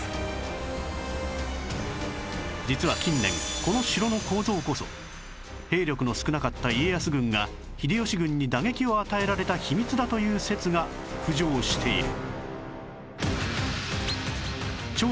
実は近年この城の構造こそ兵力の少なかった家康軍が秀吉軍に打撃を与えられた秘密だという説が浮上している